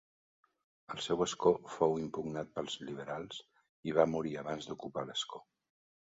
El seu escó fou impugnat pels liberals i va morir abans d'ocupar l'escó.